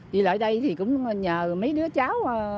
vì lại đây thì cũng nhờ mấy đứa cháu